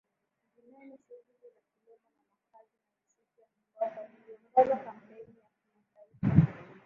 vinane shughuli za kilimo na makazi na msitu ya mikokoNiliongoza kampeni ya kimataifa